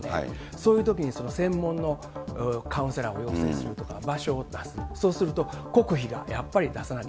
そういうときに、専門のカウンセラーを要請するとか、場所を出すと、そうすると、国費がやっぱり、出さない。